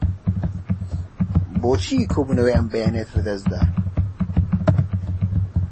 بۆچی کۆبوونەوەی ئەم بەیانییەت لەدەست دا؟